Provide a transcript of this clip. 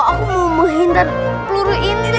aku mau menghindar peluru indra